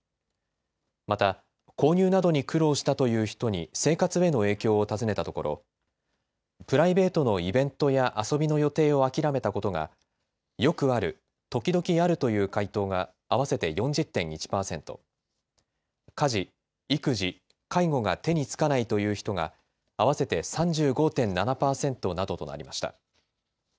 また、購入などに苦労したという人に生活への影響を尋ねたところプライベートのイベントや遊びの予定を諦めたことがよくある、時々あるという回答が合わせて４０．１％、家事、育児、介護が手につかないという人が合わせて３５．７％などとなりました。